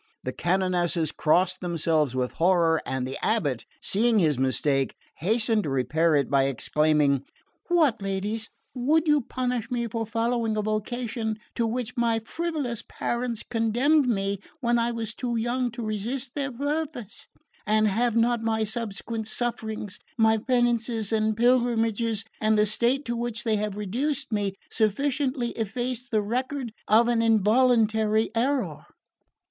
The canonesses crossed themselves with horror, and the abate, seeing his mistake, hastened to repair it by exclaiming "What, ladies, would you punish me for following a vocation to which my frivolous parents condemned me when I was too young to resist their purpose? And have not my subsequent sufferings, my penances and pilgrimages, and the state to which they have reduced me, sufficiently effaced the record of an involuntary error?"